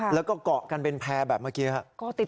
แล้วทำไมต้องออกไปครับ